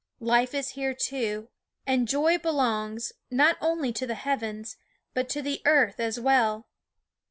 Life is here too ; and joy belongs, not only to the heavens, but to the earth as well.